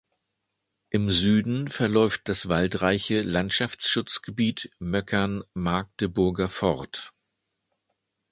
Im Süden verläuft das waldreiche Landschaftsschutzgebiet Möckern-Magdeburgerforth.